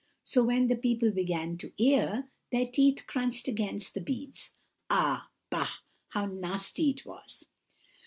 So when the people began to ear, their teeth crunched against the beads! Ah! bah! how nasty it was!"